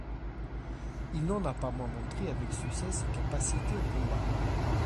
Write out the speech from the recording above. Il n'en a pas moins montré avec succès ses capacités au combat.